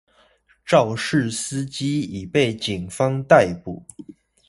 肇事司機已被警方逮捕